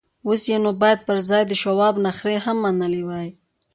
اوس يې نو بايد پر ځان د شواب نخرې هم منلې وای.